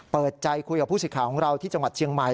เปิดใจคุยกับผู้สิทธิ์ของเราที่จังหวัดเชียงใหม่